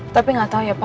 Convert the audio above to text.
tapi gak tau ya pak